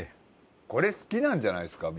これ好きなんじゃないですか？